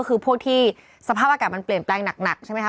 คือพวกที่สภาพอากาศมันเปลี่ยนแปลงหนักใช่ไหมคะ